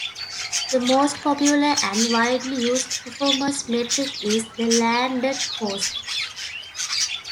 The most popular and widely used performance metric is the landed cost.